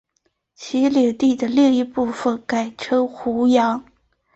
其领地的另一部分改称湖阳。